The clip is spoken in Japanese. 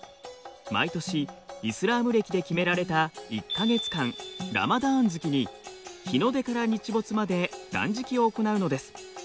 毎年イスラーム暦で決められた１か月間ラマダーン月に日の出から日没まで断食を行うのです。